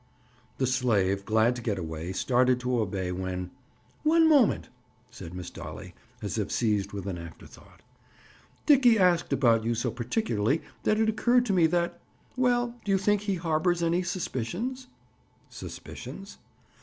The slave, glad to get away, started to obey, when—"One moment!" said Miss Dolly as if seized with an afterthought. "Dickie asked about you so particularly that it occurred to me that— Well, do you think he harbors any suspicions?" "Suspicions?"